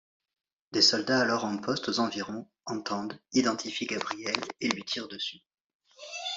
Des soldats alors en poste aux environs entendent, identifient Gabriel et lui tirent dessus.